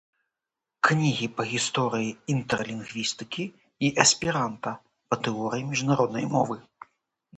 кнігі па гісторыі інтэрлінгвістыкі і эсперанта, па тэорыі міжнароднай мовы